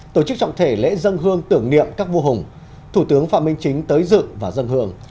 tổ chức trọng thể lễ dân hương tưởng niệm các vua hùng thủ tướng phạm minh chính tới dự và dân hương